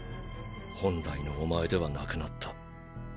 本来のお前ではなくなった。